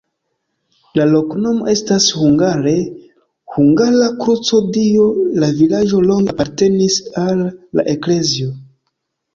La loknomo estas hungare: hungara-kruco-Dio, la vilaĝo longe apartenis al la eklezio.